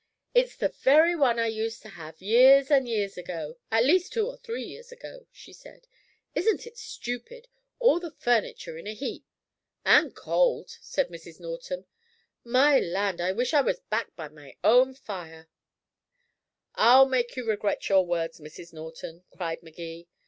"It's the very one I used to have, years and years ago at least two or three years ago," she said. "Isn't it stupid? All the furniture in a heap." "And cold," said Mrs. Norton. "My land, I wish I was back by my own fire." "I'll make you regret your words, Mrs. Norton," cried Magee.